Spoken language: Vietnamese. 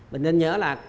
mình nên nhớ là